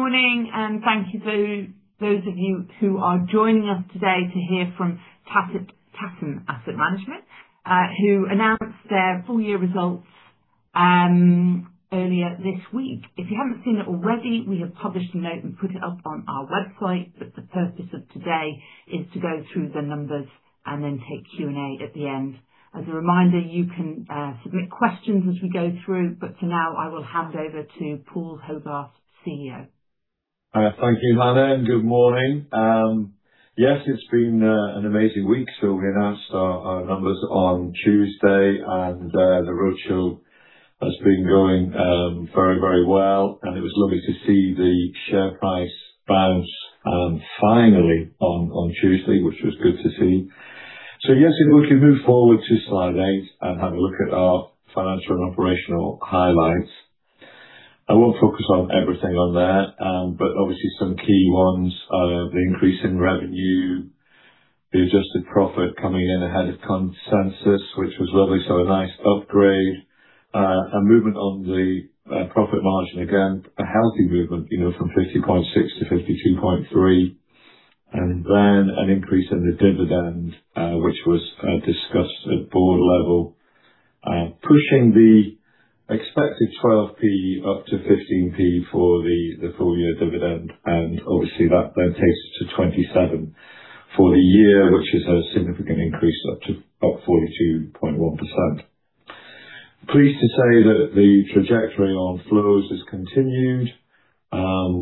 Good morning, thank you those of you who are joining us today to hear from Tatton Asset Management, who announced their full-year results earlier this week. If you haven't seen it already, we have published a note and put it up on our website. The purpose of today is to go through the numbers and take Q&A at the end. As a reminder, you can submit questions as we go through, but for now, I will hand over to Paul Hogarth, CEO. Thank you, Hannah, good morning. Yes, it's been an amazing week. We announced our numbers on Tuesday, the roadshow has been going very well. It was lovely to see the share price bounce finally on Tuesday, which was good to see. Yes, if we can move forward to slide eight and have a look at our financial and operational highlights. I won't focus on everything on there, but obviously some key ones are the increase in revenue, the adjusted profit coming in ahead of consensus, which was lovely. A nice upgrade. A movement on the profit margin, again, a healthy movement, from 50.6%-52.3%. An increase in the dividend, which was discussed at board level, pushing the expected 0.12 up-GBP 0.15 for the full-year dividend. Obviously that then takes us to 0.27 for the year, which is a significant increase of 42.1%. Pleased to say that the trajectory on flows has continued.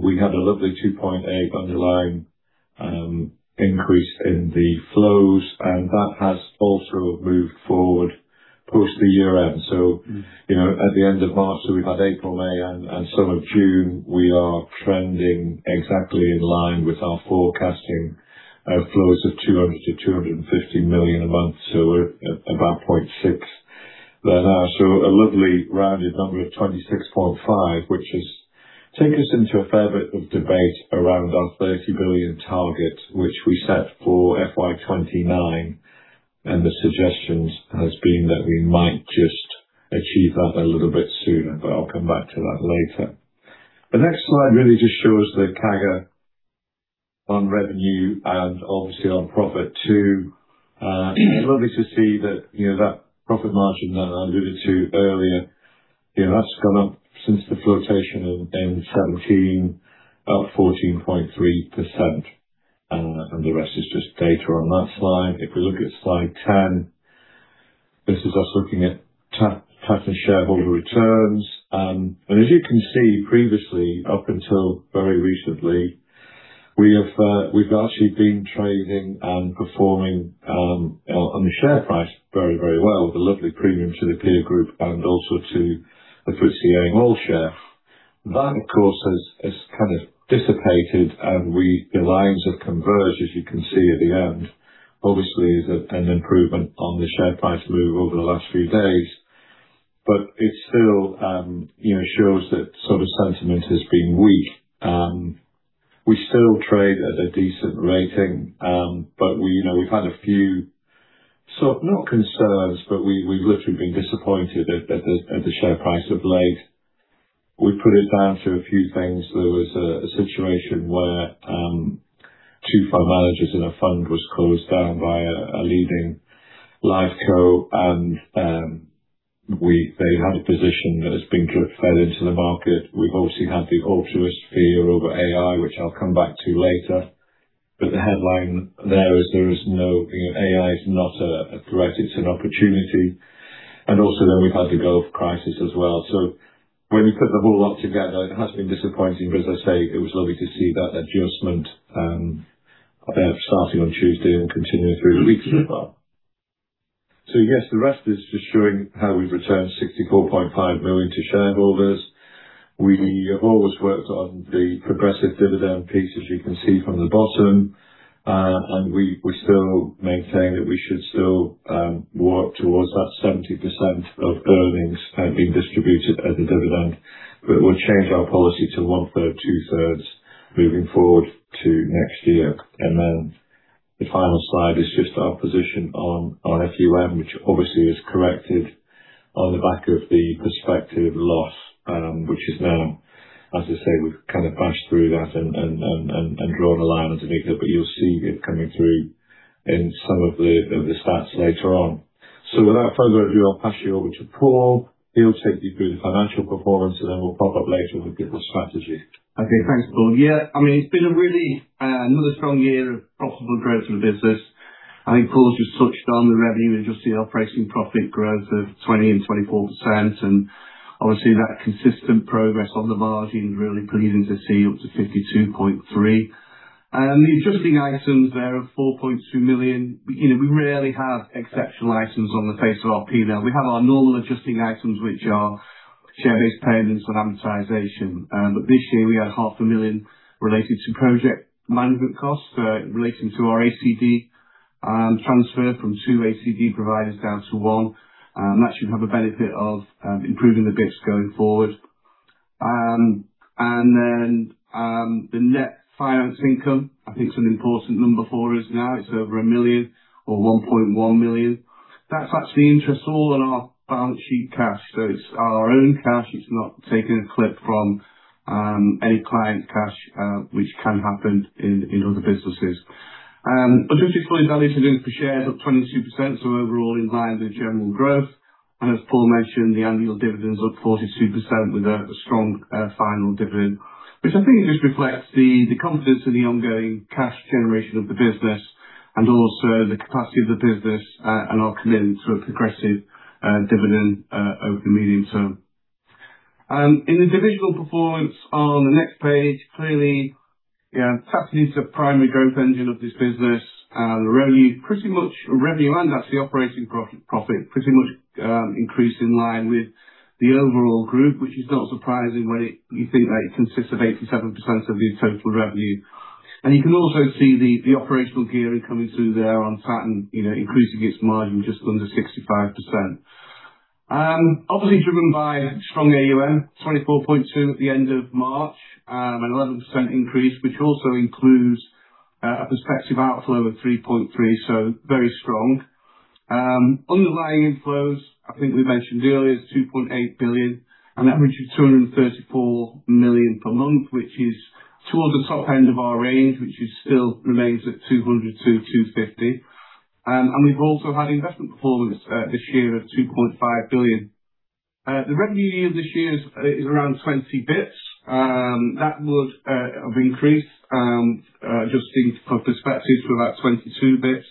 We had a lovely 2.8% underlying increase in the flows, that has also moved forward post the year-end. At the end of March, we've had April, May, and some of June, we are trending exactly in line with our forecasting flows of 200 million-250 million a month. We're at about 0.6 billion there now. A lovely rounded number of 26.5 billion, which has taken us into a fair bit of debate around our 30 billion target, which we set for FY 2029. The suggestion has been that we might just achieve that a little bit sooner, but I'll come back to that later. The next slide really just shows the CAGR on revenue and obviously on profit too. It's lovely to see that profit margin that I alluded to earlier, that's gone up since the flotation in 2017, about 14.3%. The rest is just data on that slide. If we look at slide 10, this is us looking at Tatton shareholder returns. As you can see previously, up until very recently, we've actually been trading and performing on the share price very well, with a lovely premium to the peer group and also to the FTSE All-Share. That, of course, has kind of dissipated, the lines have converged, as you can see at the end. Obviously, there's an improvement on the share price move over the last few days. But it still shows that sentiment has been weak. We still trade at a decent rating, but we've had a few, not concerns, but we've literally been disappointed at the share price of late. We've put it down to a few things. There was a situation where two fund managers in a fund was closed down by a leading life co, and they had a position that has been fed into the market. We've obviously had the Altruist fear over AI, which I'll come back to later. The headline there is AI is not a threat, it's an opportunity. Also then we've had the Gulf crisis as well. When you put the whole lot together, it has been disappointing, but as I say, it was lovely to see that adjustment starting on Tuesday and continuing through the week so far. Yes, the rest is just showing how we've returned 64.5 million to shareholders. We have always worked on the progressive dividend piece, as you can see from the bottom. We still maintain that we should still work towards that 70% of earnings being distributed as a dividend. We'll change our policy to 1/3, 2/3 moving forward to next year. The final slide is just our position on FUM, which obviously is corrected on the back of the Perspective loss, which is now, as I say, we've kind of bashed through that and drawn a line underneath it. You'll see it coming through in some of the stats later on. Without further ado, I'll pass you over to Paul. He'll take you through the financial performance, and then we'll pop up later and give the strategy. Okay. Thanks, Paul. It's been another strong year of profitable growth in the business. I think Paul's just touched on the revenue. You'll see our pricing profit growth of 20% and 24%. Obviously that consistent progress on the margin, really pleasing to see up to 52.3%. The adjusting items there of 4.2 million. We rarely have exceptional items on the face of our P&L. We have our normal adjusting items which are share-based payments and amortization. This year we had half a million related to project management costs relating to our ACD transfer from two ACD providers down to one. That should have a benefit of improving the bits going forward. The net finance income, I think it's an important number for us now. It's over 1 million or 1.1 million. That's actually interest all on our balance sheet cash. It's our own cash. It's not taking a clip from any client cash, which can happen in other businesses. Adjusting for valuation gains per share is up 22%, so overall in line with general growth. As Paul mentioned, the annual dividend is up 42% with a strong final dividend, which I think it just reflects the confidence in the ongoing cash generation of the business and also the capacity of the business and our commitment to a progressive dividend over the medium term. In the divisional performance on the next page, clearly, Tatton is the primary growth engine of this business. Revenue and actually operating profit pretty much increased in line with the overall group, which is not surprising when you think that it consists of 87% of the total revenue. You can also see the operational gearing coming through there on Tatton increasing its margin just under 65%. Obviously driven by strong AUM, 24.2 at the end of March, an 11% increase, which also includes a Perspective outflow of 3.3, so very strong. Underlying inflows, I think we mentioned earlier, is 2.8 billion. That brings you to 234 million per month, which is towards the top end of our range, which still remains at 200-250. We've also had investment performance this year of 2.5 billion. The revenue yield this year is around 20 bps. That would have increased, adjusting for Perspective, to about 22 bps.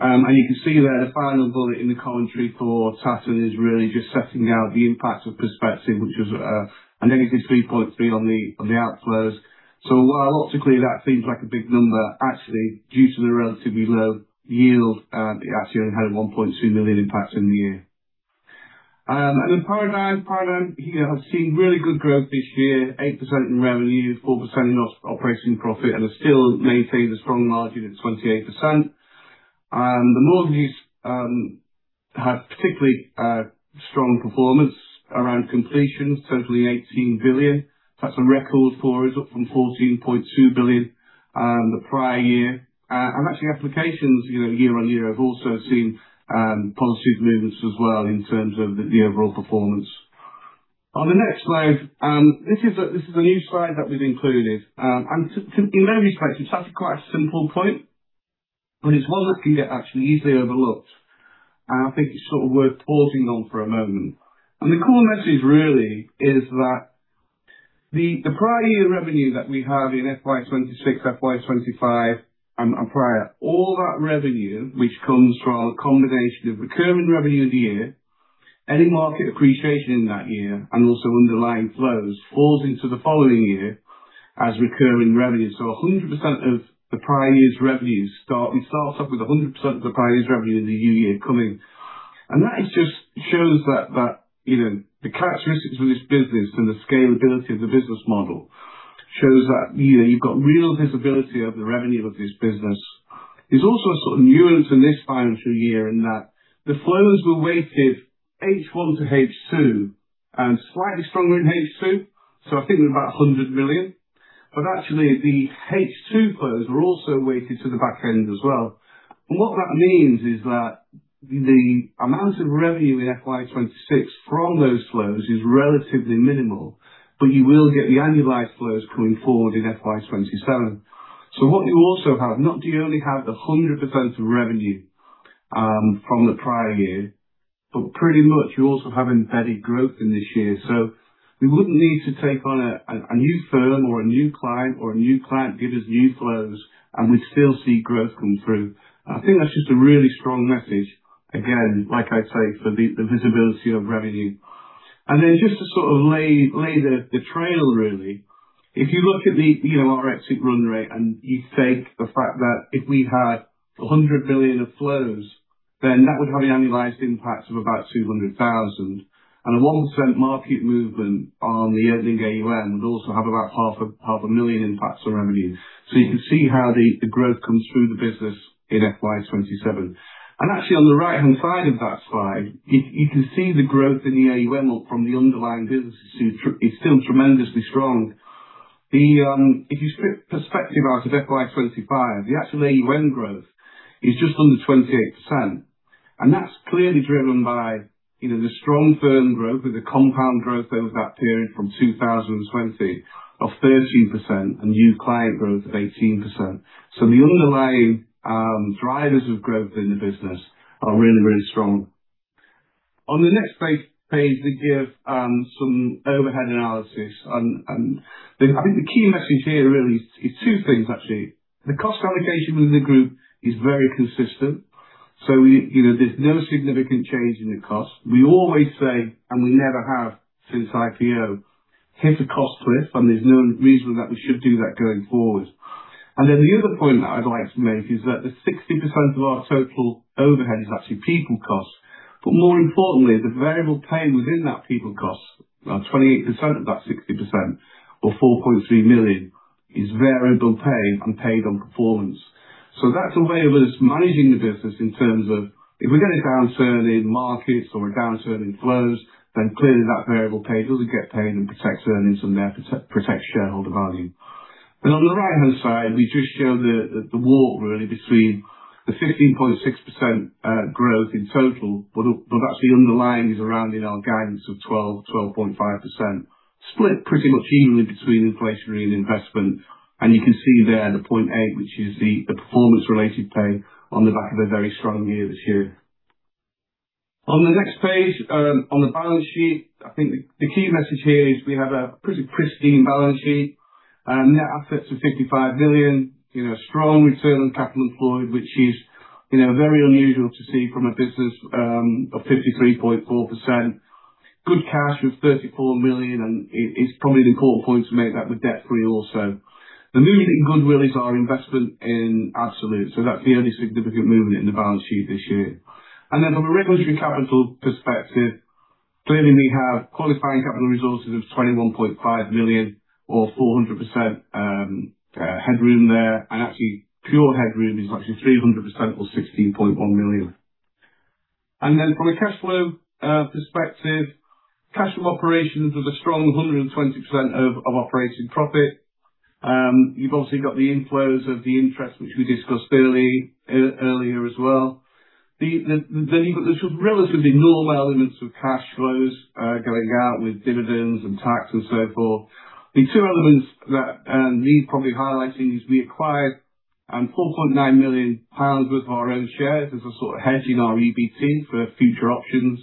You can see there the final bullet in the commentary for Tatton is really just setting out the impact of Perspective, which is a negative 3.3 on the outflows. While optically that seems like a big number, actually, due to the relatively low yield, it actually only had 1.2 million impact in the year. Paradigm. Paradigm here has seen really good growth this year, 8% in revenue, 4% in operating profit, and has still maintained a strong margin of 28%. The mortgages had particularly strong performance around completions, totally 18 billion. That's a record for us, up from 14.2 billion the prior year. Applications year-over-year have also seen positive movements as well in terms of the overall performance. On the next slide, this is a new slide that we've included. In many ways, it's actually quite a simple point, but it's one that can get actually easily overlooked. I think it's worth pausing on for a moment. The core message really is that the prior year revenue that we have in FY 2026, FY 2025, and prior, all that revenue, which comes from a combination of recurring revenue of the year, any market appreciation in that year, and also underlying flows, falls into the following year as recurring revenue. It starts off with 100% of the prior year's revenue in the new year coming. That just shows that the characteristics of this business and the scalability of the business model shows that you've got real visibility of the revenue of this business. There's also a sort of nuance in this financial year in that the flows were weighted H1 to H2 and slightly stronger in H2. I think it was about 100 million. Actually, the H2 flows were also weighted to the back end as well. What that means is that the amount of revenue in FY 2026 from those flows is relatively minimal, but you will get the annualized flows coming forward in FY 2027. What you also have, not do you only have the 100% of revenue from the prior year, but pretty much you also have embedded growth in this year. We wouldn't need to take on a new firm or a new client or a new client give us new flows, and we still see growth come through. I think that's just a really strong message, again, like I say, for the visibility of revenue. Just to sort of lay the trail, really. If you look at our exit run rate and you take the fact that if we had 100 million of flows, that would have an annualized impact of about 200,000. A 1% market movement on the ending AUM would also have about half a million impact on revenue. You can see how the growth comes through the business in FY 2027. Actually, on the right-hand side of that slide, you can see the growth in the AUM from the underlying businesses is still tremendously strong. If you strip Perspective out of FY 2025, the actual AUM growth is just under 28%. That's clearly driven by the strong firm growth with the compound growth over that period from 2020 of 13% and new client growth of 18%. The underlying drivers of growth in the business are really, really strong. On the next page, we give some overhead analysis. I think the key message here really is two things, actually. The cost allocation within the group is very consistent. There's no significant change in the cost. We always say, and we never have since IPO, hit a cost cliff, and there's no reason that we should do that going forward. The other point that I'd like to make is that the 60% of our total overhead is actually people cost. More importantly, the variable pay within that people cost, around 28% of that 60% or 4.3 million, is variable pay and paid on performance. That's a way of us managing the business in terms of if we get a downturn in markets or a downturn in flows, then clearly that variable pay doesn't get paid and protects earnings and therefore protects shareholder value. On the right-hand side, we just show the wall really between the 15.6% growth in total. Actually underlying is around in our guidance of 12%-12.5%, split pretty much evenly between inflationary and investment. You can see there the 0.8, which is the performance-related pay on the back of a very strong year this year. On the next page, on the balance sheet, I think the key message here is we have a pretty pristine balance sheet. Net assets of 55 million, strong return on capital employed, which is very unusual to see from a business of 53.4%. Good cash with 34 million. It's probably an important point to make that we're debt-free also. The GBP 1 million in goodwill is our investment in Absolute, so that's the only significant movement in the balance sheet this year. From a regulatory capital perspective, clearly we have qualifying capital resources of 21.5 million or 400% headroom there. Actually pure headroom is actually 300% or 16.1 million. From a cash flow perspective, cash from operations was a strong 120% of operating profit. You've also got the inflows of the interest, which we discussed earlier as well. There's relatively normal elements of cash flows going out with dividends and tax and so forth. The two elements that need probably highlighting is we acquired 4.9 million pounds with our own shares as a sort of hedge in our EBT for future options.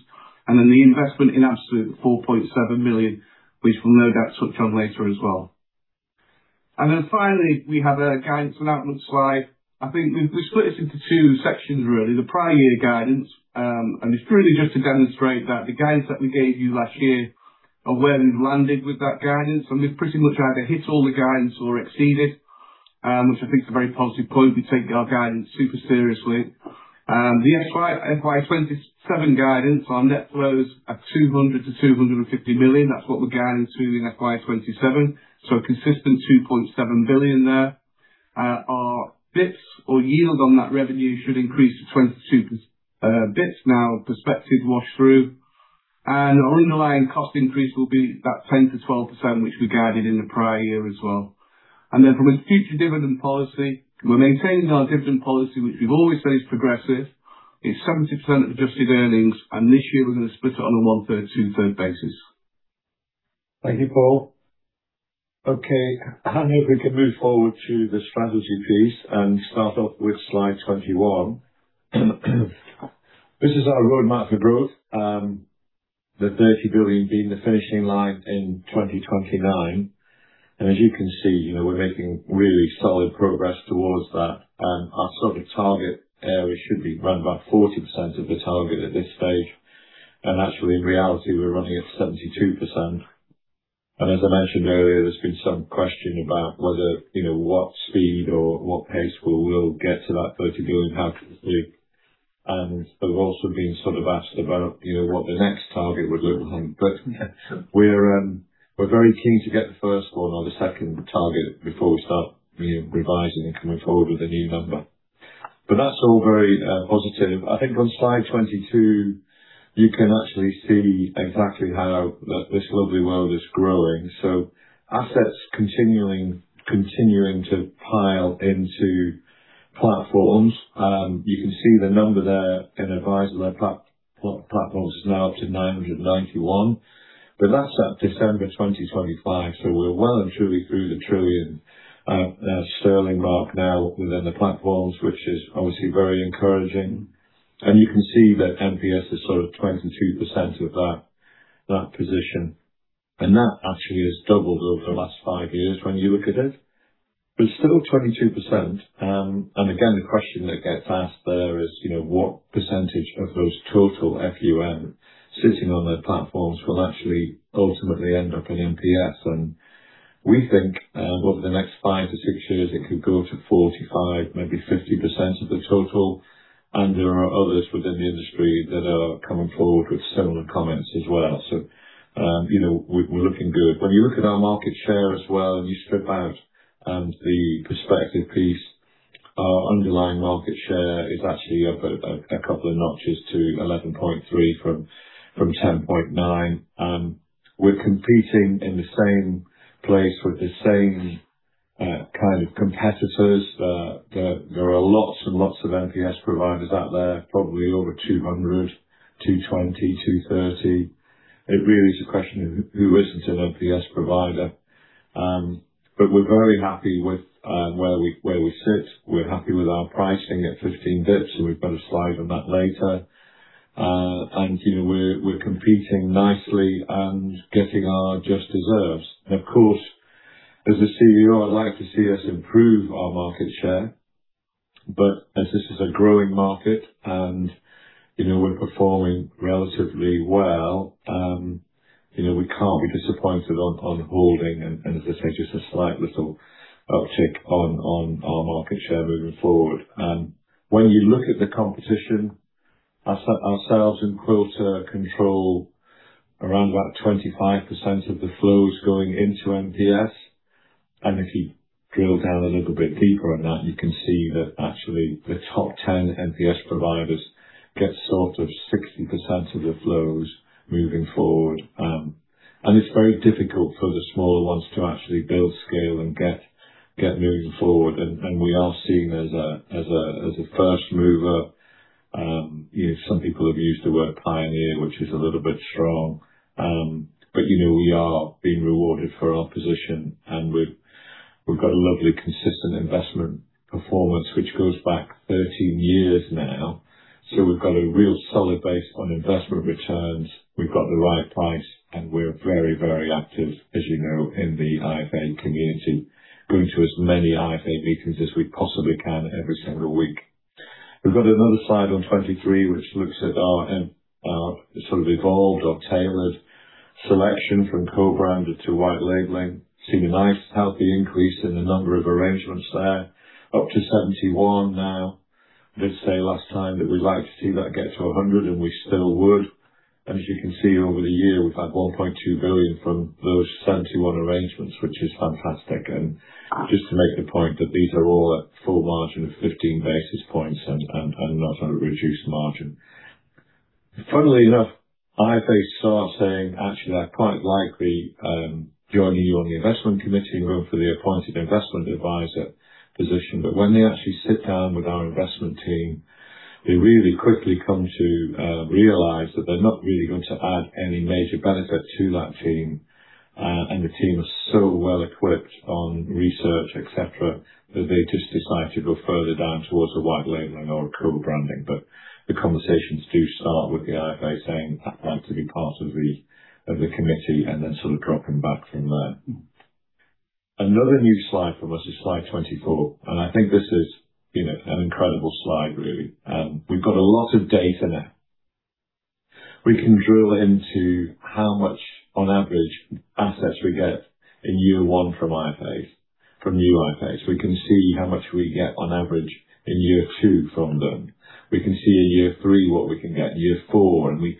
The investment in Absolute, 4.7 million, which we'll no doubt touch on later as well. Finally, we have a guidance and outlook slide. I think we've split this into two sections, really. The prior year guidance, it's really just to demonstrate that the guidance that we gave you last year and where we've landed with that guidance, we've pretty much either hit all the guidance or exceeded, which I think is a very positive point. We take our guidance super seriously. The FY 2027 guidance on net flows at 200 million-250 million. That's what we're guiding to in FY 2027. A consistent 2.7 billion there. Our bps or yield on that revenue should increase to 22 bps now Perspective wash through. Our underlying cost increase will be that 10%-12%, which we guided in the prior year as well. From a future dividend policy, we're maintaining our dividend policy, which we've always said is progressive. It's 70% adjusted earnings, and this year we're going to split it on a 1/3, 2/3 basis. Thank you, Paul. I hope we can move forward to the strategy piece and start off with slide 21. This is our roadmap for growth. The 30 billion being the finishing line in 2029. As you can see, we're making really solid progress towards that. Our sort of target area should be around about 40% of the target at this stage. In reality, we're running at 72%. As I mentioned earlier, there's been some question about what speed or what pace we will get to that 30 billion target. We've also been sort of asked about what the next target would look like. We're very keen to get the first one or the second target before we start revising and coming forward with a new number. That's all very positive. I think on slide 22, you can actually see exactly how this lovely world is growing. Assets continuing to pile into platforms. You can see the number there in adviser-led platforms is now up to 991, but that's at December 2025. We're well and truly through the trillion sterling mark now within the platforms, which is obviously very encouraging. You can see that MPS is sort of 22% of that position. That actually has doubled over the last five years when you look at it. It's still 22%. The question that gets asked there is what percentage of those total FUM sitting on their platforms will actually ultimately end up in MPS. We think over the next five to six years it could go to 45%, maybe 50% of the total. There are others within the industry that are coming forward with similar comments as well. We're looking good. When you look at our market share as well, and you strip out the prospective piece, our underlying market share is actually up a couple of notches to 11.3 from 10.9. We're competing in the same place with the same kind of competitors. There are lots and lots of MPS providers out there, probably over 200, 220, 230. It really is a question of who isn't an MPS provider. We're very happy with where we sit. We're happy with our pricing at 15 basis points, and we've got a slide on that later. We're competing nicely and getting our just deserves. Of course, as a CEO, I'd like to see us improve our market share. As this is a growing market and we're performing relatively well, we can't be disappointed on holding and, as I say, just a slight little uptick on our market share moving forward. When you look at the competition, ourselves and Quilter control around about 25% of the flows going into MPS. If you drill down a little bit deeper on that, you can see that actually the top 10 MPS providers get sort of 60% of the flows moving forward. It's very difficult for the smaller ones to actually build scale and get moving forward. We are seen as a first mover. Some people have used the word pioneer, which is a little bit strong. We are being rewarded for our position, and we've got a lovely, consistent investment performance, which goes back 13 years now. We've got a real solid base on investment returns. We've got the right price, we're very active, as you know, in the IFA community, going to as many IFA meetings as we possibly can every single week. We've got another slide on 23, which looks at our evolved or tailored selection from co-branded to white labeling. Seen a nice healthy increase in the number of arrangements there, up to 71 now. Did say last time that we'd like to see that get to 100, and we still would. As you can see, over the year, we've had 1.2 billion from those 71 arrangements, which is fantastic. Just to make the point that these are all at full margin of 15 basis points and not on a reduced margin. Funnily enough, IFAs start saying, "Actually, I'd quite like be joining you on the investment committee room for the appointed investment adviser position." When they actually sit down with our investment team, they really quickly come to realize that they're not really going to add any major benefit to that team. The team are so well equipped on research, et cetera, that they just decide to go further down towards the white labeling or co-branding. The conversations do start with the IFA saying, "I'd like to be part of the committee," and then dropping back from there. Another new slide from us is slide 24, I think this is an incredible slide, really. We've got a lot of data now. We can drill into how much, on average, assets we get in year one from IFAs, from new IFAs. We can see how much we get on average in year two from them. We can see in year three what we can get, in year four, and we've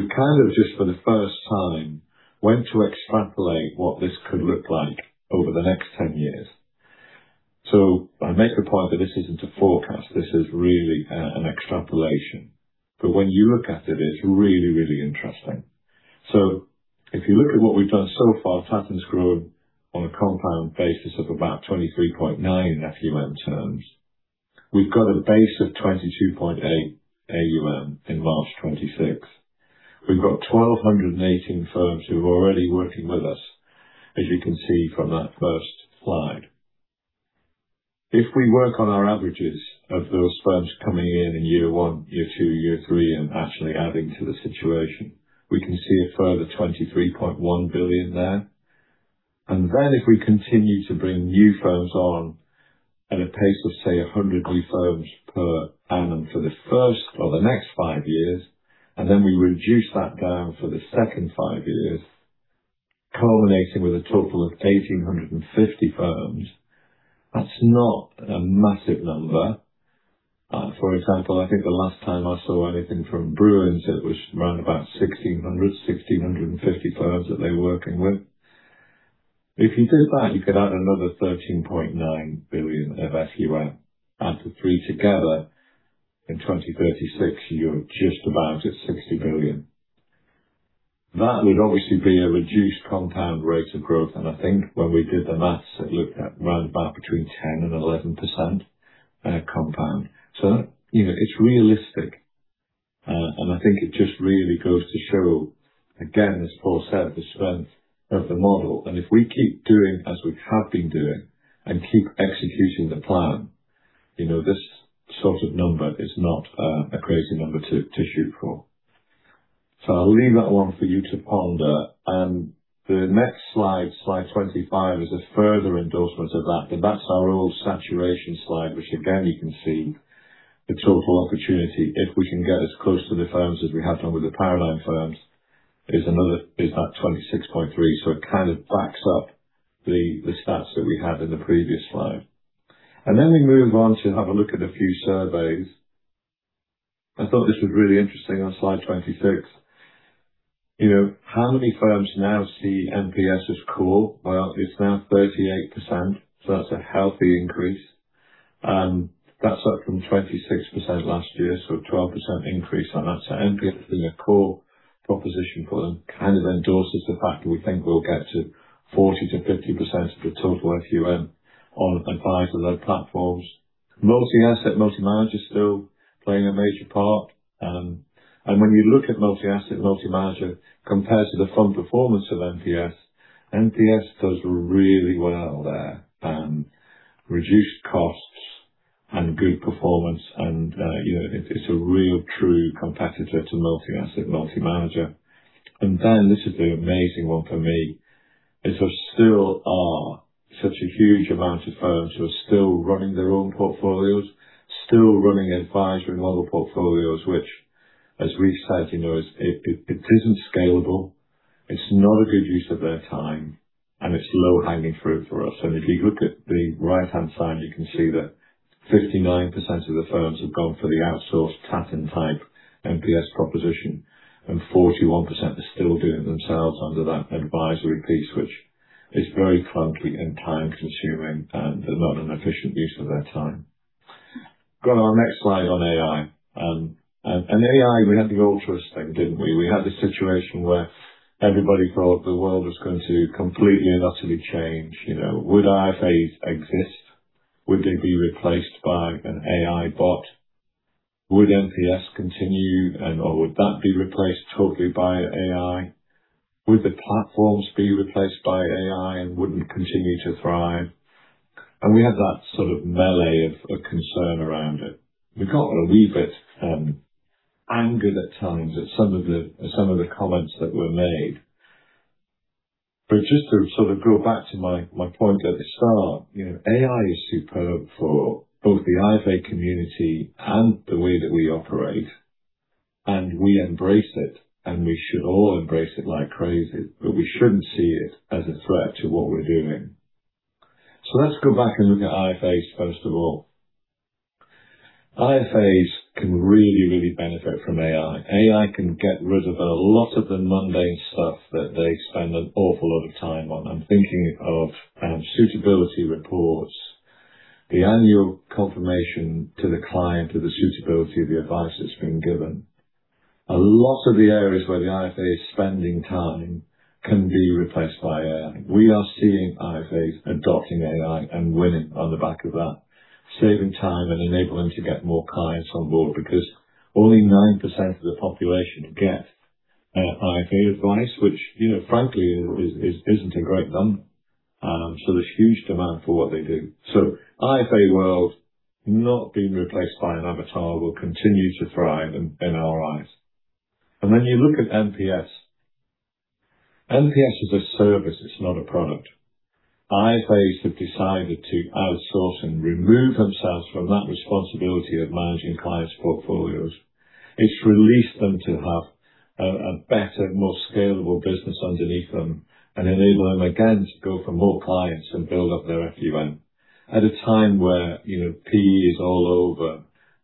just for the first time went to extrapolate what this could look like over the next 10 years. I make the point that this isn't a forecast, this is really an extrapolation. When you look at it's really interesting. If you look at what we've done so far, Tatton's grown on a compound basis of about 23.9 in FUM terms. We've got a base of 22.8 AUM in March 26th. We've got 1,218 firms who are already working with us, as you can see from that first slide. If we work on our averages of those firms coming in in year one, year two, year three, and actually adding to the situation, we can see a further 23.1 billion there. If we continue to bring new firms on at a pace of, say, 100 new firms per annum for the next five years, and then we reduce that down for the second five years, culminating with a total of 1,850 firms. That's not a massive number. For example, I think the last time I saw anything from Brewin, it was around about 1,600, 1,650 firms that they were working with. If you did that, you could add another 13.9 billion of FUM. Add the three together, in 2036, you're just about at 60 billion. That would obviously be a reduced compound rate of growth. I think when we did the maths, it looked at around about between 10% and 11% compound. It's realistic, and I think it just really goes to show, again, as Paul said, the strength of the model. If we keep doing as we have been doing and keep executing the plan, this sort of number is not a crazy number to shoot for. I'll leave that one for you to ponder. The next slide 25, is a further endorsement of that. That's our old saturation slide, which again, you can see the total opportunity. If we can get as close to the firms as we have done with the Paradigm firms is that 26.3. It backs up the stats that we had in the previous slide. We move on to have a look at a few surveys. I thought this was really interesting on slide 26. How many firms now see MPS as core? It's now 38%, that's a healthy increase. That's up from 26% last year, a 12% increase on that. MPS is a core proposition for them, kind of endorses the fact that we think we'll get to 40%-50% of the total FUM on advisory platforms. multi-asset multi-manager is still playing a major part. When you look at multi-asset multi-manager compared to the fund performance of MPS does really well there. Reduced costs and good performance, it's a real true competitor to multi-asset multi-manager. This is the amazing one for me, is there still are such a huge amount of firms who are still running their own portfolios, still running advisory model portfolios, which as Reece says, it isn't scalable, it's not a good use of their time, and it's low-hanging fruit for us. If you look at the right-hand side, you can see that 59% of the firms have gone for the outsourced Tatton-type MPS proposition, and 41% are still doing it themselves under that advisory piece, which is very clunky and time-consuming, and not an efficient use of their time. Go to our next slide on AI. AI, we had the Altruist thing, didn't we? We had this situation where everybody thought the world was going to completely and utterly change. Would IFAs exist? Would they be replaced by an AI bot? Would MPS continue or would that be replaced totally by AI? Would the platforms be replaced by AI, and would we continue to thrive? We had that sort of melee of concern around it. We got a wee bit angered at times at some of the comments that were made. Just to sort of go back to my point at the start, AI is superb for both the IFA community and the way that we operate, and we embrace it, and we should all embrace it like crazy, but we shouldn't see it as a threat to what we're doing. Let's go back and look at IFAs first of all. IFAs can really, really benefit from AI. AI can get rid of a lot of the mundane stuff that they spend an awful lot of time on. I'm thinking of suitability reports, the annual confirmation to the client of the suitability of the advice that's been given. A lot of the areas where the IFA is spending time can be replaced by AI. We are seeing IFAs adopting AI and winning on the back of that, saving time and enabling to get more clients on board because only 9% of the population get IFA advice, which frankly isn't a great number. There's huge demand for what they do. IFA world not being replaced by an avatar will continue to thrive in our eyes. When you look at MPS is a service, it's not a product. IFAs have decided to outsource and remove themselves from that responsibility of managing clients' portfolios. It's released them to have a better, more scalable business underneath them and enable them again to go for more clients and build up their FUM at a time where PE is all over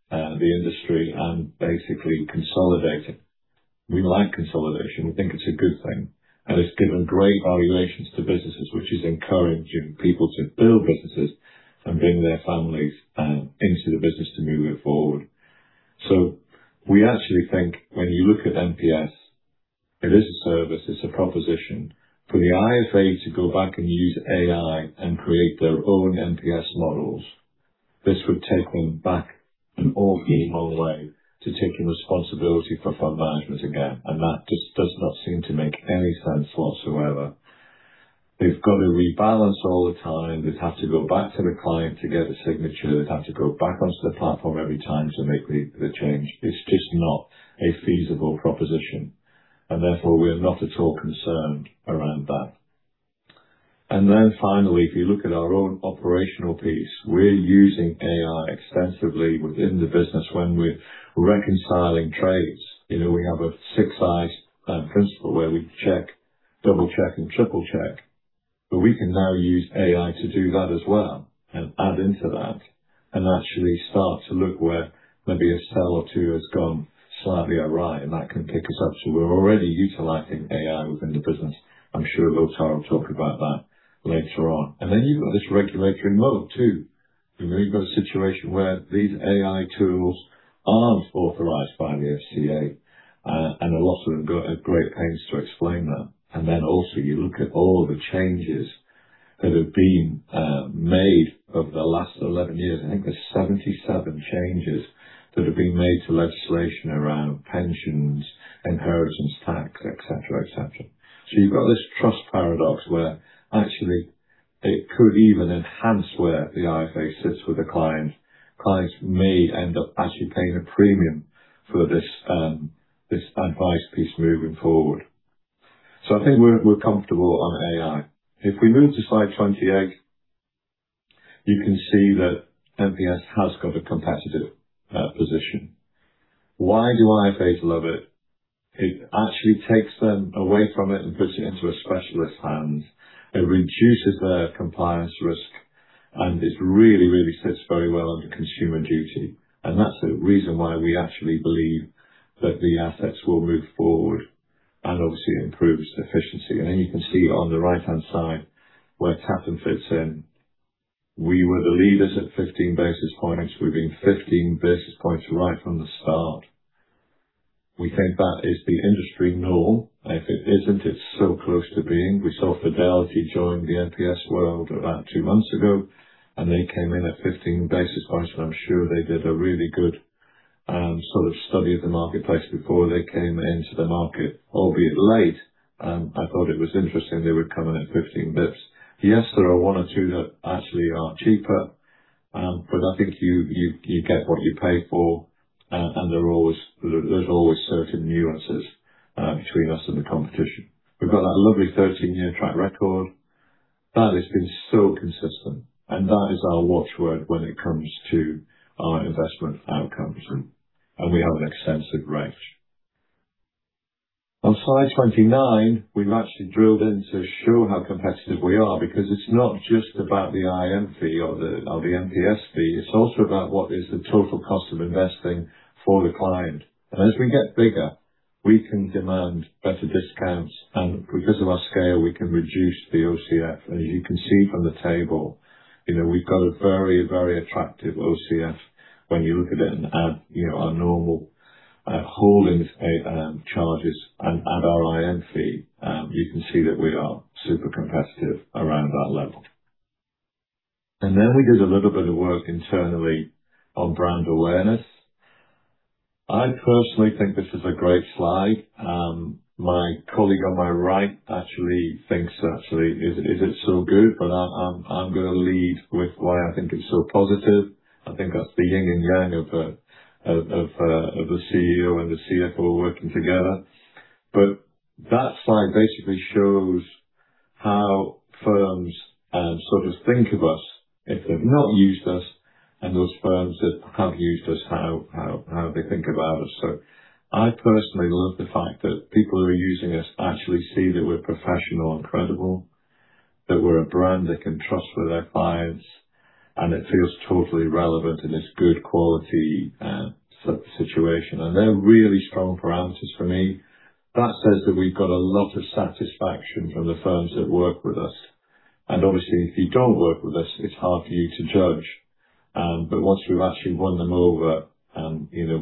the industry and basically consolidating. We like consolidation. We think it's a good thing, and it's given great valuations to businesses, which is encouraging people to build businesses and bring their families into the business to move it forward. We actually think when you look at MPS, it is a service, it's a proposition for the IFA to go back and use AI and create their own MPS models. This would take them back an awfully long way to taking responsibility for fund management again, and that just does not seem to make any sense whatsoever. They've got to rebalance all the time. They'd have to go back to the client to get a signature. They'd have to go back onto the platform every time to make the change. It's just not a feasible proposition, therefore we're not at all concerned around that. Finally, if you look at our own operational piece, we're using AI extensively within the business when we're reconciling trades. We have a six eyes principle where we check, double-check, and triple-check, but we can now use AI to do that as well and add into that and actually start to look where maybe a cell or two has gone slightly awry, and that can pick us up. We're already utilizing AI within the business. I'm sure Lothar will talk about that later on. You've got this regulatory mode too. You've got a situation where these AI tools aren't authorized by the FCA, and a lot of them go at great pains to explain that. Also you look at all the changes that have been made over the last 11 years. I think there's 77 changes that have been made to legislation around pensions, inheritance tax, et cetera. You've got this trust paradox where actually it could even enhance where the IFA sits with the client. Clients may end up actually paying a premium for this advice piece moving forward. I think we're comfortable on AI. If we move to slide 28, you can see that MPS has got a competitive position. Why do IFAs love it? It actually takes them away from it and puts it into a specialist's hand. It reduces their compliance risk, and it really, really sits very well under Consumer Duty. That's the reason why we actually believe that the assets will move forward and obviously improves efficiency. You can see on the right-hand side where Tatton fits in. We were the leaders at 15 basis points. We've been 15 basis points right from the start. We think that is the industry norm. If it isn't, it's so close to being. We saw Fidelity join the MPS world about two months ago, and they came in at 15 basis points. I'm sure they did a really good sort of study of the marketplace before they came into the market, albeit late. I thought it was interesting they would come in at 15 bps. Yes, there are one or two that actually are cheaper, but I think you get what you pay for, and there's always certain nuances between us and the competition. We've got that lovely 13-year track record that has been so consistent, that is our watch word when it comes to our investment outcomes, and we have an extensive range. On slide 29, we've actually drilled in to show how competitive we are because it's not just about the IM fee or the MPS fee, it's also about what is the total cost of investing for the client. As we get bigger We can demand better discounts, because of our scale, we can reduce the OCF. As you can see from the table, we've got a very attractive OCF when you look at it and add our normal holding charges and our IM fee, you can see that we are super competitive around that level. We did a little bit of work internally on brand awareness. I personally think this is a great slide. My colleague on my right actually thinks, is it so good? I'm going to lead with why I think it's so positive. I think that's the yin and yang of the CEO and the CFO working together. That slide basically shows how firms think of us if they've not used us, and those firms that have used us, how they think about us. I personally love the fact that people who are using us actually see that we're professional and credible, that we're a brand they can trust with their clients, and it feels totally relevant in this good quality situation. They're really strong parameters for me. That says that we've got a lot of satisfaction from the firms that work with us. Obviously, if you don't work with us, it's hard for you to judge. Once we've actually won them over,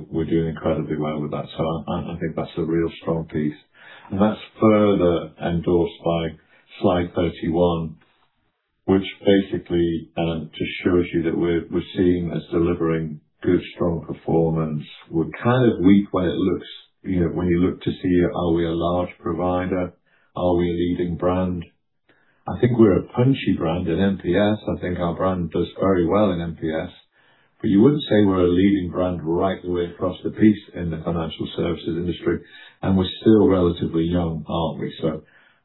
we're doing incredibly well with that. I think that's a real strong piece. That's further endorsed by slide 31, which basically just shows you that we're seen as delivering good, strong performance. We're weak where it looks-- when you look to see are we a large provider? Are we a leading brand? I think we're a punchy brand in MPS. I think our brand does very well in MPS. You wouldn't say we're a leading brand right the way across the piece in the financial services industry, and we're still relatively young, aren't we?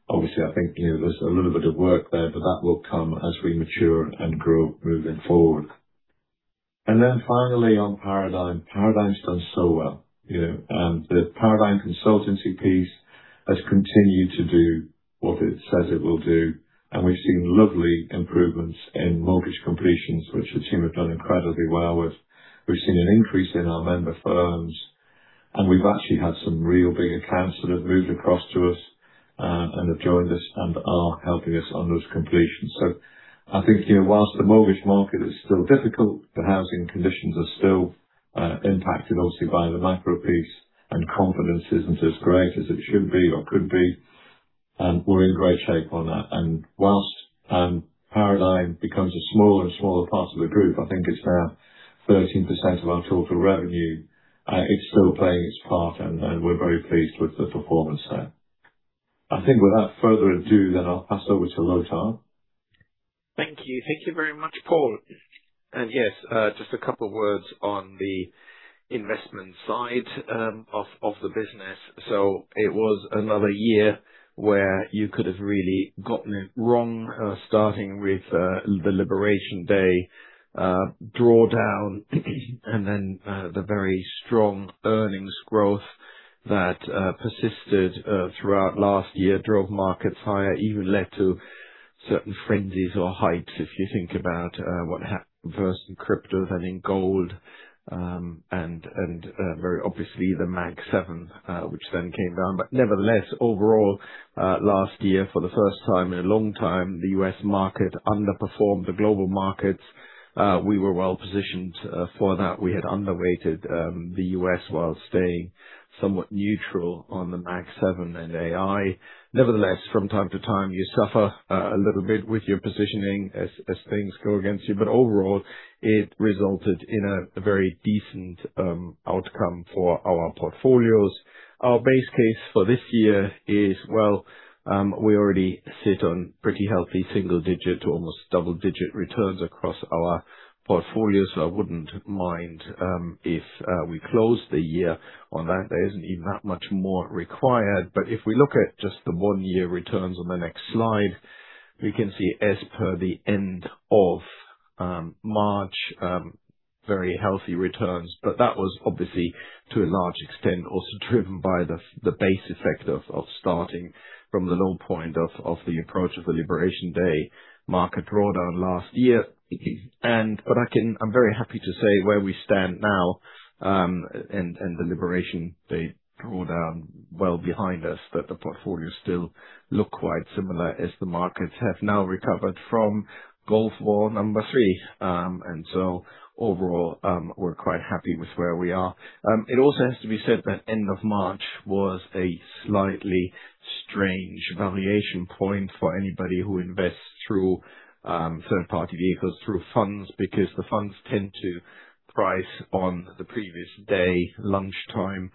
Obviously, I think there's a little bit of work there, but that will come as we mature and grow moving forward. Finally on Paradigm. Paradigm's done so well. The Paradigm consultancy piece has continued to do what it says it will do, and we've seen lovely improvements in mortgage completions, which the team have done incredibly well with. We've seen an increase in our member firms, and we've actually had some real big accounts that have moved across to us, and have joined us, and are helping us on those completions. I think whilst the mortgage market is still difficult, the housing conditions are still impacted obviously by the macro piece, and confidence isn't as great as it should be or could be, we're in great shape on that. Whilst Paradigm becomes a smaller and smaller part of the group, I think it's now 13% of our total revenue. It's still playing its part, and we're very pleased with the performance there. I think without further ado, I'll pass over to Lothar. Thank you. Thank you very much, Paul. Yes, just a couple of words on the investment side of the business. It was another year where you could have really gotten it wrong, starting with the Liberation Day drawdown, and then the very strong earnings growth that persisted throughout last year drove markets higher, even led to certain frenzies or heights, if you think about what happened first in crypto than in gold, very obviously the Mag Seven, which came down. Nevertheless, overall, last year, for the first time in a long time, the U.S. market underperformed the global markets. We were well-positioned for that. We had underrated the U.S. while staying somewhat neutral on the Mag Seven and AI. Nevertheless, from time to time, you suffer a little bit with your positioning as things go against you. Overall, it resulted in a very decent outcome for our portfolios. Our base case for this year is, well, we already sit on pretty healthy single-digit to almost double-digit returns across our portfolio. I wouldn't mind if we closed the year on that. There isn't even that much more required. If we look at just the one-year returns on the next slide, we can see as per the end of March, very healthy returns. That was obviously, to a large extent, also driven by the base effect of starting from the low point of the approach of the Liberation Day market drawdown last year. I'm very happy to say where we stand now, and the Liberation Day drawdown well behind us, that the portfolios still look quite similar as the markets have now recovered from Gulf War number three. Overall, we're quite happy with where we are. It also has to be said that end of March was a slightly strange valuation point for anybody who invests through third-party vehicles, through funds, because the funds tend to price on the previous day, lunchtime.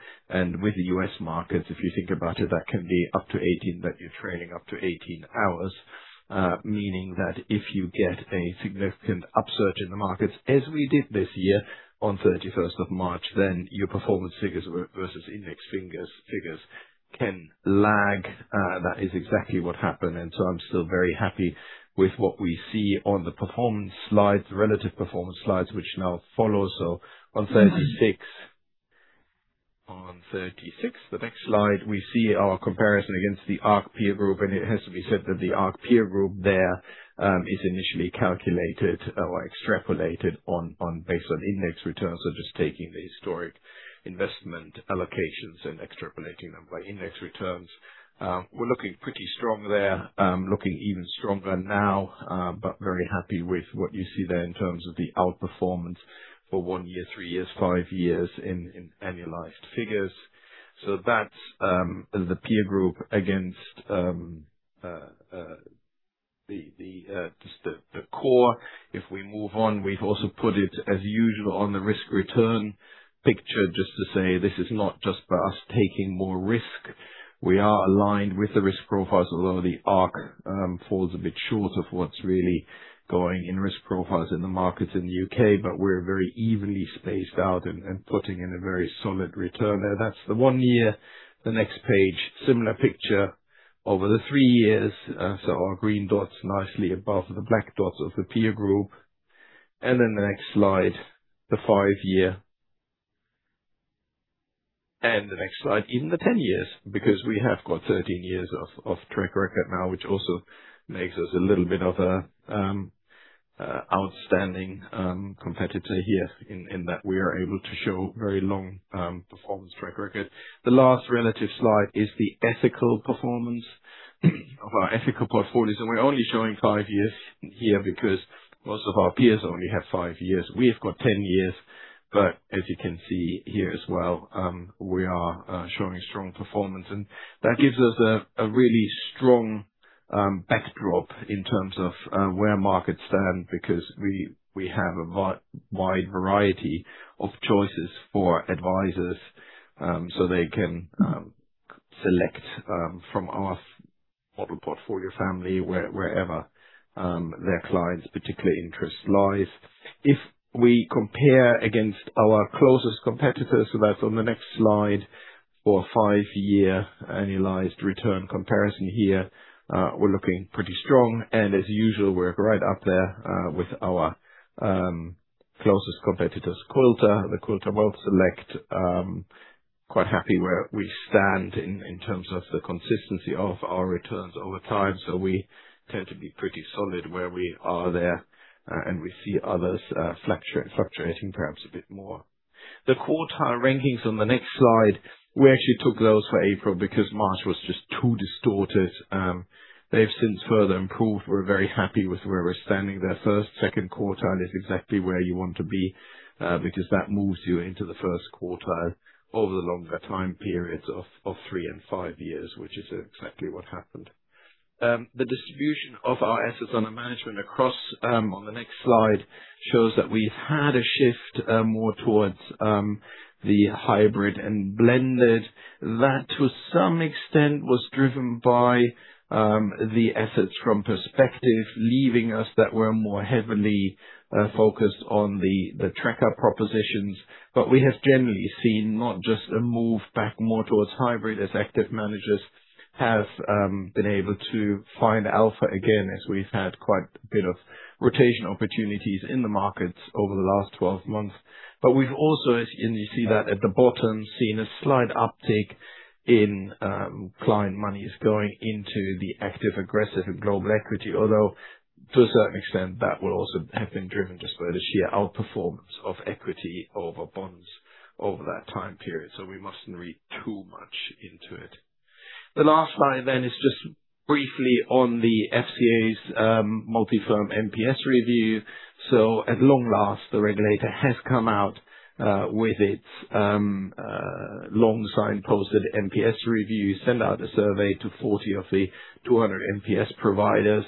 With the U.S. markets, if you think about it, that can be up to 18, that you're trading up to 18 hours. Meaning that if you get a significant upsurge in the markets, as we did this year on 31st of March, then your performance figures versus index figures can lag. That is exactly what happened. I'm still very happy with what we see on the performance slides, relative performance slides, which now follow. On 36, the next slide, we see our comparison against the ARC peer group, and it has to be said that the ARC peer group there is initially calculated or extrapolated based on index returns. Just taking the historic investment allocations and extrapolating them by index returns. We're looking pretty strong there. Looking even stronger now, but very happy with what you see there in terms of the outperformance for one year, three years, five years in annualized figures. That's the peer group against just the core. If we move on, we've also put it as usual on the risk-return picture just to say this is not just about us taking more risk. We are aligned with the risk profiles, although the ARC falls a bit short of what's really going in risk profiles in the markets in the U.K. We're very evenly spaced out and putting in a very solid return there. That's the one year. The next page, similar picture over the three years. Our green dots nicely above the black dots of the peer group. The next slide, the five-year. The next slide, even the 10 years, because we have got 13 years of track record now, which also makes us a little bit of an outstanding competitor here in that we are able to show very long performance track record. The last relative slide is the ethical performance of our ethical portfolios, and we're only showing five years here because most of our peers only have five years. We've got 10 years. As you can see here as well, we are showing strong performance. That gives us a really strong backdrop in terms of where markets stand because we have a wide variety of choices for advisors so they can select from our model portfolio family wherever their client's particular interest lies. If we compare against our closest competitors, that's on the next slide for a five-year annualized return comparison here, we're looking pretty strong. As usual, we're right up there with our closest competitors, Quilter, the Quilter WealthSelect. Quite happy where we stand in terms of the consistency of our returns over time. We tend to be pretty solid where we are there, and we see others fluctuating perhaps a bit more. The quartile rankings on the next slide, we actually took those for April because March was just too distorted. They've since further improved. We're very happy with where we're standing there. First, second quartile is exactly where you want to be, because that moves you into the first quartile over the longer time periods of three and five years, which is exactly what happened. The distribution of our assets under management across on the next slide shows that we've had a shift more towards the hybrid and blended. That, to some extent, was driven by the efforts from Perspective, leaving us that we're more heavily focused on the tracker propositions. We have generally seen not just a move back more towards hybrid as active managers have been able to find alpha again as we've had quite a bit of rotation opportunities in the markets over the last 12 months. We've also, and you see that at the bottom, seen a slight uptick in client monies going into the active, aggressive, and global equity, although to a certain extent, that will also have been driven just by the sheer outperformance of equity over bonds over that time period. We mustn't read too much into it. The last slide is just briefly on the FCA's multi-firm MPS review. At long last, the regulator has come out with its long signposted MPS review, sent out a survey to 40 of the 200 MPS providers.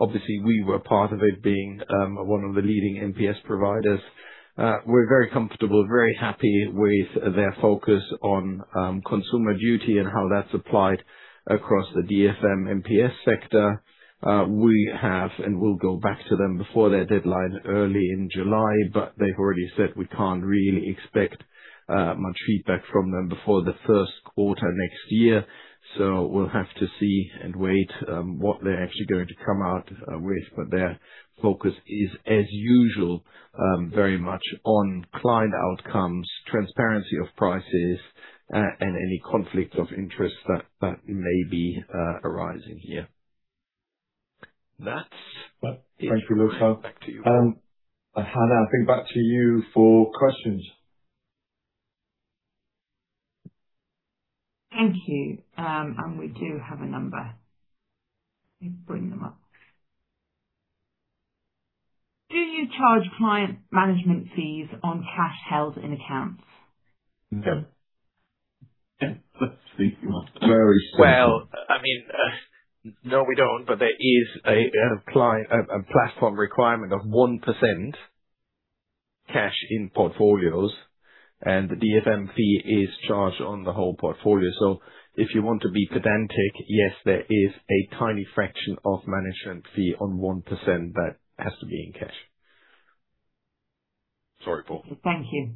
Obviously we were part of it being one of the leading MPS providers. We're very comfortable, very happy with their focus on Consumer Duty and how that's applied across the DFM MPS sector. We have and will go back to them before their deadline early in July, they've already said we can't really expect much feedback from them before the first quarter next year. We'll have to see and wait what they're actually going to come out with. Their focus is, as usual, very much on client outcomes, transparency of prices, and any conflict of interest that may be arising here. That's it. Thank you, Lothar. Back to you. Hannah, I think back to you for questions. Thank you. We do have a number. Let me bring them up. Do you charge client management fees on cash held in accounts? No. Let's see. Very simple. No, we don't, but there is a platform requirement of 1% cash in portfolios, and the DFM fee is charged on the whole portfolio. If you want to be pedantic, yes, there is a tiny fraction of management fee on 1% that has to be in cash. Sorry, Paul. Thank you.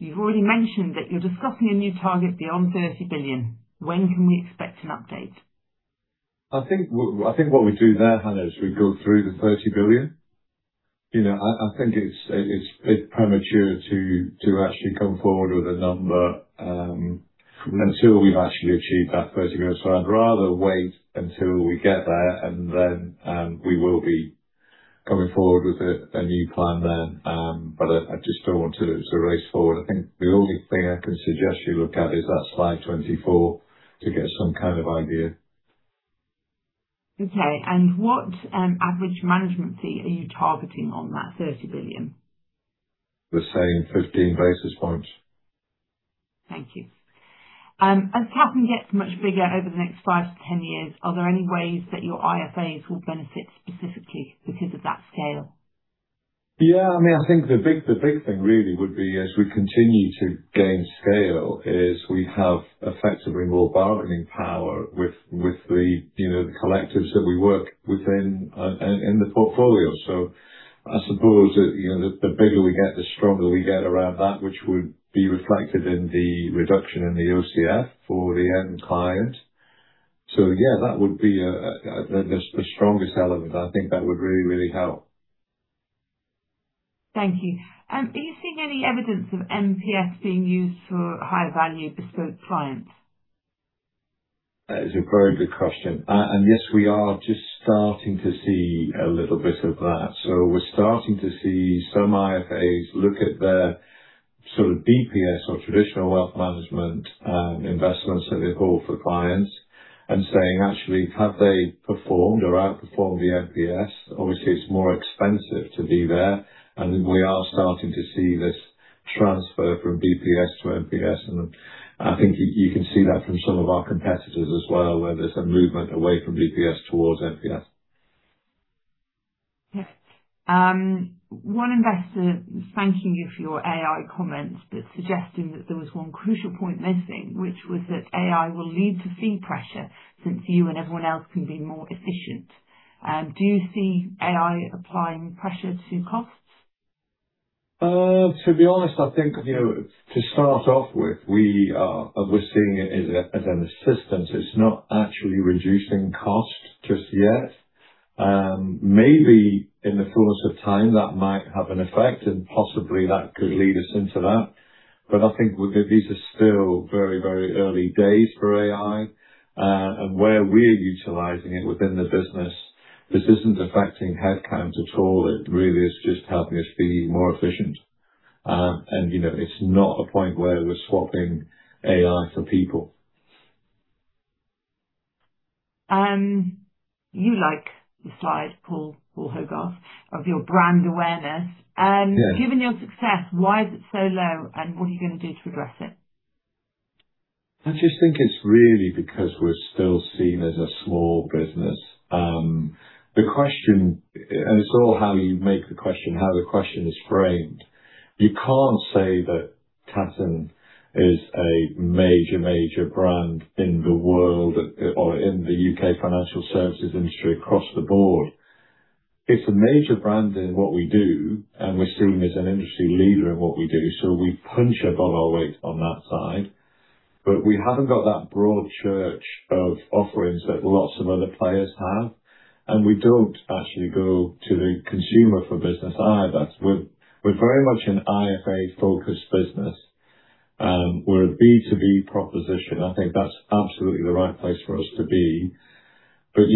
You've already mentioned that you're discussing a new target beyond 30 billion. When can we expect an update? I think what we do there, Hannah, is we go through the 30 billion. I think it is premature to actually come forward with a number until we've actually achieved that 30 billion. I'd rather wait until we get there, and then we will be coming forward with a new plan then. I just don't want to race forward. I think the only thing I can suggest you look at is that slide 24 to get some kind of idea. Okay. What average management fee are you targeting on that 30 billion? We're saying 15 basis points. Thank you. As Tatton gets much bigger over the next five to 10 years, are there any ways that your IFAs will benefit specifically because of that scale? I think the big thing really would be, as we continue to gain scale, is we have effectively more bargaining power with the collectives that we work within and in the portfolio. I suppose, the bigger we get, the stronger we get around that, which would be reflected in the reduction in the OCF for the end client. Yeah, that would be the strongest element. I think that would really, really help. Thank you. Are you seeing any evidence of MPS being used for higher value bespoke clients? That is a very good question. Yes, we are just starting to see a little bit of that. We're starting to see some IFAs look at their sort of BPS or traditional wealth management investments that they hold for clients and saying, actually, have they performed or outperformed the MPS? Obviously, it's more expensive to be there, we are starting to see this transfer from BPS-MPS. I think you can see that from some of our competitors as well, where there's a movement away from BPS towards MPS. Yes. One investor is thanking you for your AI comments, suggesting that there was one crucial point missing, which was that AI will lead to fee pressure since you and everyone else can be more efficient. Do you see AI applying pressure to costs? To be honest, I think, to start off with, we're seeing it as an assistance. It's not actually reducing cost just yet. Maybe in the course of time, that might have an effect, and possibly that could lead us into that. I think these are still very early days for AI, and where we're utilizing it within the business, this isn't affecting headcounts at all. It really is just helping us be more efficient. It's not a point where we're swapping AI for people. You like the slide, Paul Hogarth, of your brand awareness. Yeah. Given your success, why is it so low, and what are you going to do to address it? I just think it's really because we're still seen as a small business. The question, it's all how you make the question, how the question is framed. You can't say that Tatton is a major brand in the world or in the U.K. financial services industry across the board. It's a major brand in what we do, and we're seen as an industry leader in what we do, so we punch above our weight on that side. We haven't got that broad church of offerings that lots of other players have, and we don't actually go to the consumer for business either. We're very much an IFA-focused business. We're a B2B proposition. I think that's absolutely the right place for us to be. We're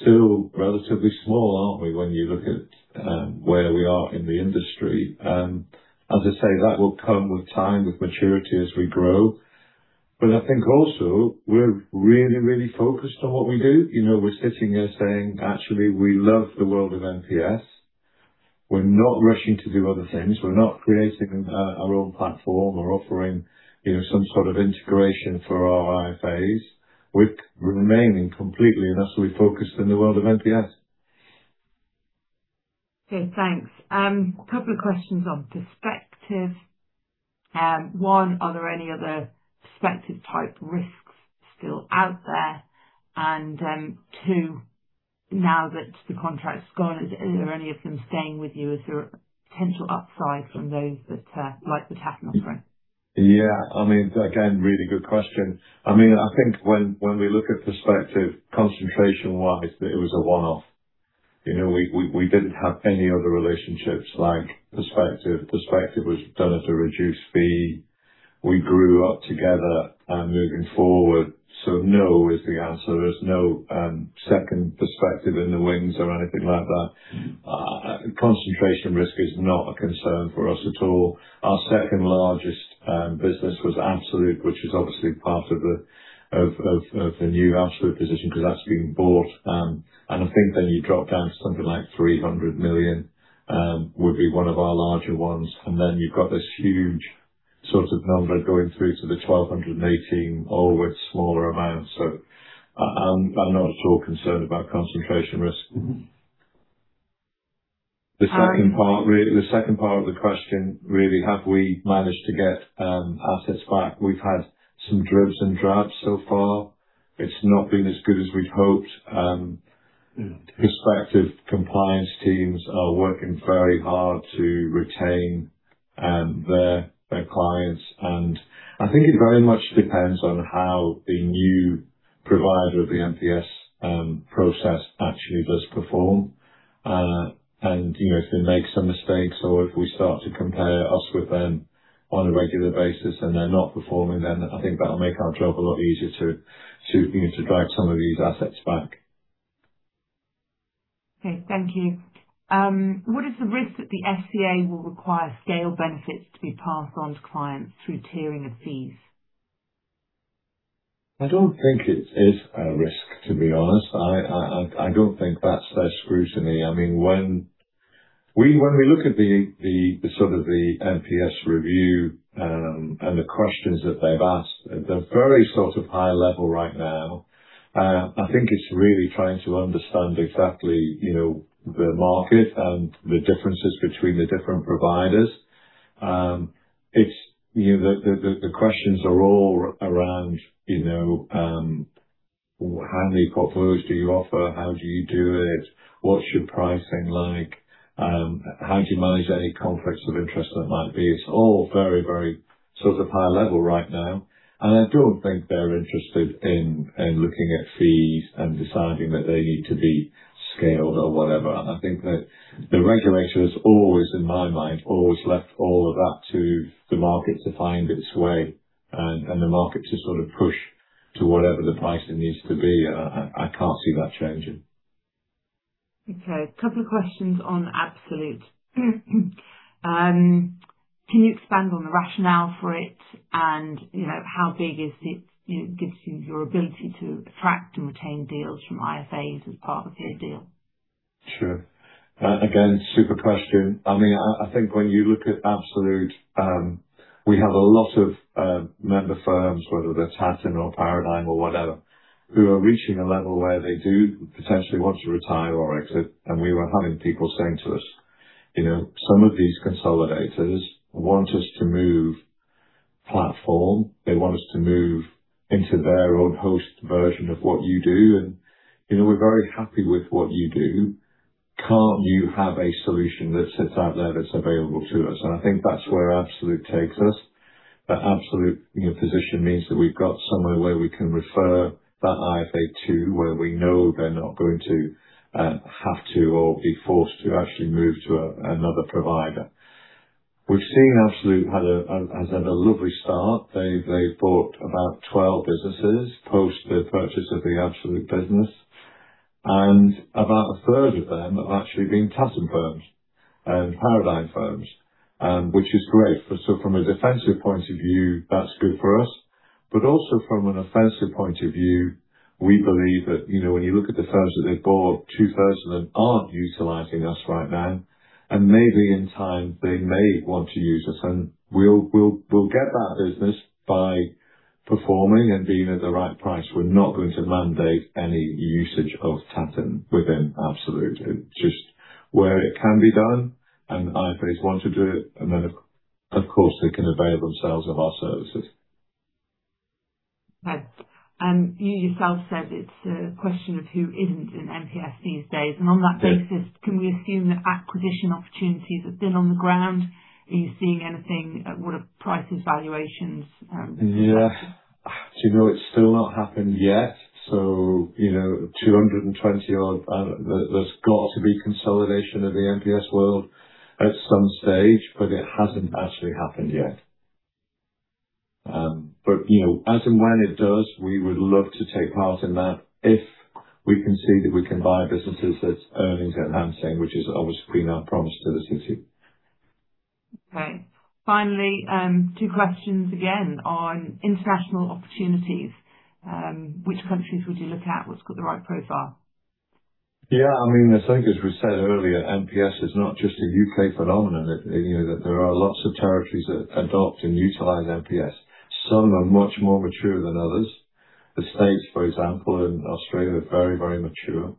still relatively small, aren't we, when you look at where we are in the industry. As I say, that will come with time, with maturity as we grow. I think also, we're really focused on what we do. We're sitting here saying, actually, we love the world of MPS. We're not rushing to do other things. We're not creating our own platform or offering some sort of integration for our IFAs. We're remaining completely, and that's where we're focused in the world of MPS. Okay, thanks. A couple of questions on Perspective. One, are there any other Perspective-type risks still out there? Two, now that the contract's gone, are there any of them staying with you? Is there a potential upside from those that, like the Tatton offering? Yeah. Again, really good question. I think when we look at Perspective concentration-wise, that it was a one-off. We didn't have any other relationships like Perspective. Perspective was done at a reduced fee. We grew up together and moving forward. No is the answer. There's no second Perspective in the wings or anything like that. Concentration risk is not a concern for us at all. Our second largest business was Absolute, which is obviously part of the new Absolute position because that's been bought. I think then you drop down to something like 300 million, would be one of our larger ones. Then you've got this huge sort of number going through to the 1,218, all with smaller amounts. I'm not at all concerned about concentration risk. And- The second part of the question, really, have we managed to get assets back? We've had some dribs and drabs so far. It's not been as good as we'd hoped. Perspective compliance teams are working very hard to retain their clients. I think it very much depends on how the new provider of the MPS process actually does perform. If they make some mistakes or if we start to compare us with them on a regular basis and they're not performing, I think that'll make our job a lot easier to drive some of these assets back. Okay, thank you. What is the risk that the FCA will require scale benefits to be passed on to clients through tiering of fees? I don't think it is a risk, to be honest. I don't think that's their scrutiny. When we look at the sort of the MPS review, and the questions that they've asked, they're very high level right now. I think it's really trying to understand exactly the market and the differences between the different providers. The questions are all around, how many portfolios do you offer? How do you do it? What's your pricing like? How do you manage any conflicts of interest that might be? It's all very high level right now. I don't think they're interested in looking at fees and deciding that they need to be scaled or whatever. I think that the regulator has always, in my mind, always left all of that to the market to find its way and the market to sort of push to whatever the pricing needs to be. I can't see that changing. Okay. Couple of questions on Absolute. Can you expand on the rationale for it? How big is it, gives you your ability to attract and retain deals from IFAs as part of the deal? Sure. Again, super question. I think when you look at Absolute, we have a lot of member firms, whether they're Tatton or Paradigm or whatever, who are reaching a level where they do potentially want to retire or exit. We were having people saying to us, "Some of these consolidators want us to move platform. They want us to move into their own host version of what you do. We're very happy with what you do. Can't you have a solution that sits out there that's available to us?" I think that's where Absolute takes us. That Absolute position means that we've got somewhere where we can refer that IFA to where we know they're not going to have to, or be forced to actually move to another provider. We've seen Absolute has had a lovely start. They've bought about 12 businesses post the purchase of the Absolute business, and about a third of them have actually been Tatton firms and Paradigm firms, which is great. From a defensive point of view, that's good for us. Also from an offensive point of view, we believe that, when you look at the firms that they bought, 2,000 of them aren't utilizing us right now. Maybe in time they may want to use us, and we'll get that business by performing and being at the right price. We're not going to mandate any usage of Tatton within Absolute. It's just where it can be done and IFAs want to do it, and then of course, they can avail themselves of our services. Right. You yourself said it's a question of who isn't in MPS these days. On that basis, can we assume that acquisition opportunities have been on the ground? Are you seeing anything with prices, valuations? Yeah. Do you know it's still not happened yet, 220 odd. There's got to be consolidation of the MPS world at some stage, it hasn't actually happened yet. As and when it does, we would love to take part in that if we can see that we can buy businesses that's earnings enhancing, which is obviously been our promise to the city. Okay. Finally, two questions again on international opportunities. Which countries would you look at? What's got the right profile? Yeah. I think as we said earlier, MPS is not just a U.K. phenomenon. There are lots of territories that adopt and utilize MPS. Some are much more mature than others. The States, for example, and Australia are very mature.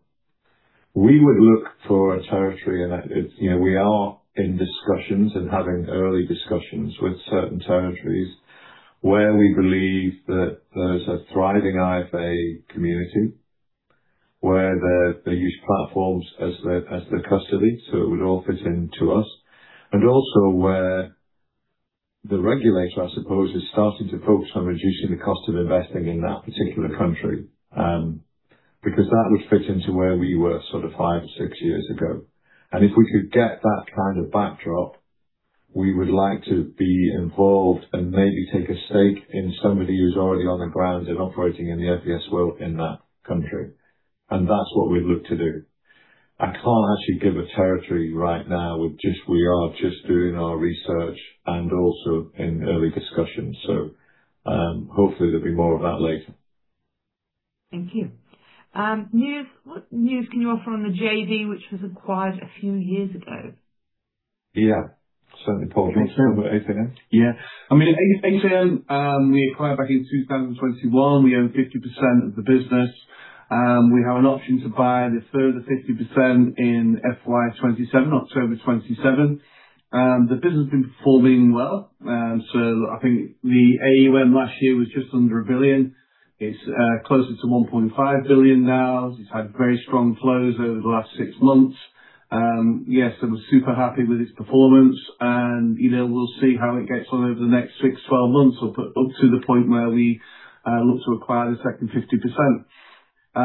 We would look for a territory, and we are in discussions and having early discussions with certain territories where we believe that there's a thriving IFA community, where they use platforms as their custody, so it would all fit into us. Also where the regulator, I suppose, is starting to focus on reducing the cost of investing in that particular country. That would fit into where we were sort of five or six years ago. If we could get that kind of backdrop, we would like to be involved and maybe take a stake in somebody who's already on the ground and operating in the MPS world in that country. That's what we'd look to do. I can't actually give a territory right now. We are just doing our research and also in early discussions, so, hopefully there'll be more of that later. Thank you. What news can you offer on the JV, which was acquired a few years ago? Certainly, Paul can talk about 8AM. Yeah, I mean 8AM, we acquired back in 2021. We own 50% of the business. We have an option to buy the further 50% in FY 2027, October 2027. The business has been performing well. I think the AUM last year was just under 1 billion. It's closer to 1.5 billion now. It's had very strong flows over the last six months. Yes, I'm super happy with its performance. We'll see how it gets on over the next six, 12 months or up to the point where we look to acquire the second 50%. If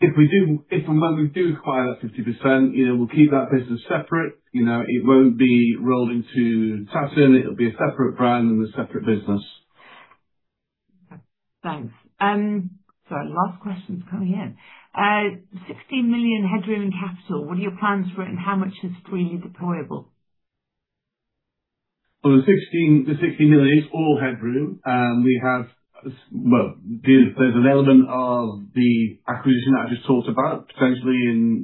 and when we do acquire that 50%, we'll keep that business separate. It won't be rolled into Tatton. It'll be a separate brand and a separate business. Okay, thanks. Sorry, last question's coming in. 16 million headroom in capital. What are your plans for it and how much is freely deployable? The 16 million is all headroom. There's an element of the acquisition that I just talked about, potentially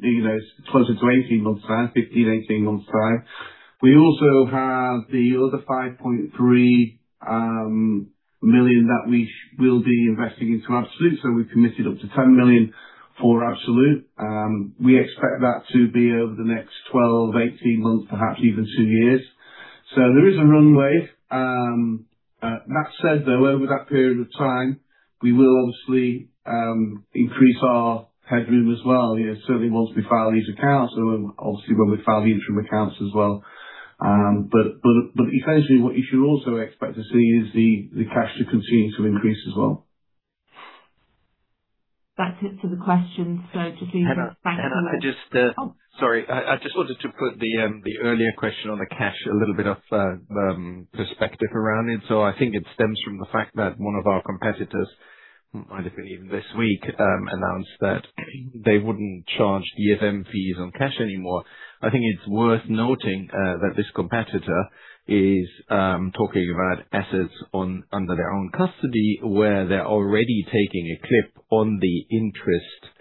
closer to 18 months' time, 15, 18 months' time. We also have the other 5.3 million that we will be investing into Absolute. We've committed up to 10 million for Absolute. We expect that to be over the next 12, 18 months, perhaps even two years. There is a runway. That said, though, over that period of time, we will obviously increase our headroom as well. Certainly once we file these accounts, and obviously when we file the interim accounts as well. Essentially what you should also expect to see is the cash to continue to increase as well. That's it for the questions. Hannah, sorry. I just wanted to put the earlier question on the cash, a little bit of perspective around it. I think it stems from the fact that one of our competitors, might have been even this week, announced that they wouldn't charge DFM fees on cash anymore. I think it's worth noting that this competitor is talking about assets under their own custody, where they're already taking a clip on the interest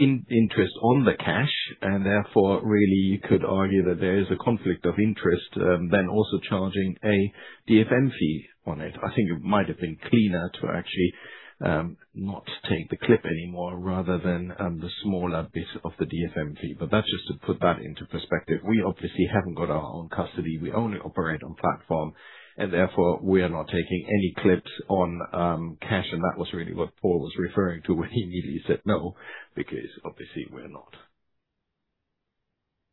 on the cash, and therefore really you could argue that there is a conflict of interest then also charging a DFM fee on it. I think it might have been cleaner to actually not take the clip anymore rather than the smaller bit of the DFM fee. That's just to put that into perspective. We obviously haven't got our own custody. We only operate on platform, and therefore we are not taking any clips on cash, and that was really what Paul was referring to when he immediately said no, because obviously we're not.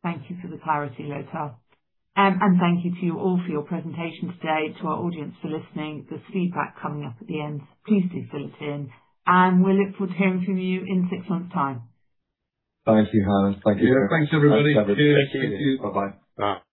Thank you for the clarity, Lothar. Thank you to you all for your presentation today, to our audience for listening. There's feedback coming up at the end. Please do fill it in, and we'll look forward to hearing from you in six months' time. Thank you, Hannah. Thank you. Yeah, thanks everybody. Thank you. Bye-bye. Bye.